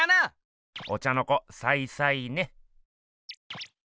お茶の子サイサイね。